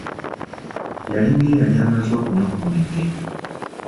Yali ng'eyali amaze okunywa ku mwenge.